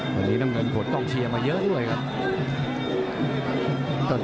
วันนี้น้ำเงินกดต้องเชียร์มาเยอะด้วยครับ